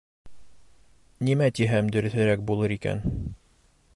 Нимә тиһәм дөрөҫөрәк булыр икән?